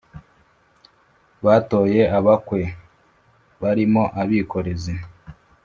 batoye abakwe barimo abikorezi,